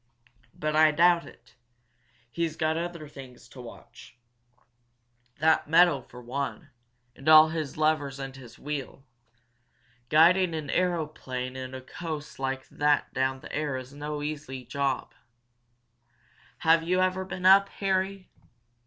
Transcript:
"But I doubt it. He's got other things to watch. That meadow for one and all his levers and his wheel. Guiding an aeroplane in a coast like that down the air is no easy job." "Have you ever been up, Harry?"